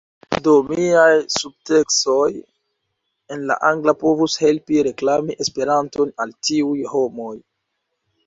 Do miaj subteksoj en la angla povus helpi reklami Esperanton al tiuj homoj